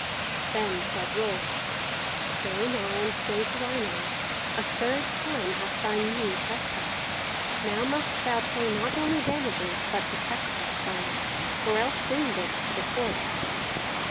Then said Rolf, "Go now and say to Einar: 'A third time hath thine ewe trespassed; now must thou pay not only damages, but the trespass fine, or else bring this to the courts.'"